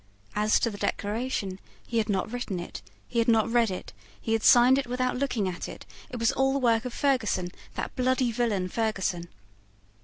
As to the Declaration, he had not written it: he had not read it: he had signed it without looking at it: it was all the work of Ferguson, that bloody villain Ferguson.